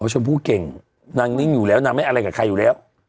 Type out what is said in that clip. ชมพู่เก่งนางนิ่งอยู่แล้วนางไม่อะไรกับใครอยู่แล้ว